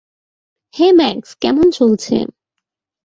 হেই, Max, কেমন চলছে?